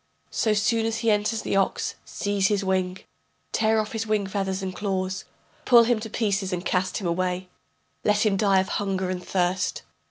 So soon as he enters the ox, seize his wing, Tear off his wing feathers and claws, Pull him to pieces and cast him away, Let him die of hunger and thirst.